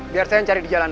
biar saya cari di jalanan